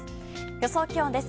予想気温です。